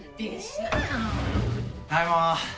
ただいま。